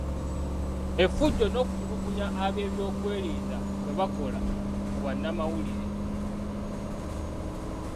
Effujjo n’okutulugunya ab’ebyokwerinda kwe bakola ku bannamawulire.